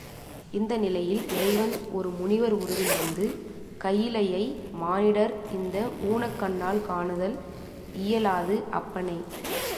இந்த நிலையில் இறைவன் ஒரு முனிவர் உருவில் வந்து, கயிலையை மானிடர் இந்த ஊனக்கண்ணால் காணுதல் இயலாது அப்பனே!